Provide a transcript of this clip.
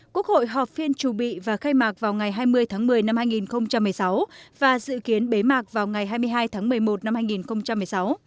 quốc hội họp phiên trù bị và khai mạc vào ngày hai mươi tháng một mươi năm hai nghìn một mươi sáu và dự kiến bế mạc vào ngày hai mươi hai tháng một mươi một năm hai nghìn một mươi sáu